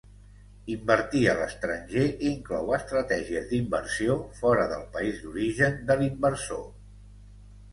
Invertir a l'estranger inclou estratègies d'inversió fora del país d'origen de l'inversor.